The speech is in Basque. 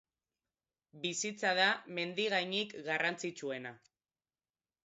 Bizitza da mendi gainik garrantzitsuena.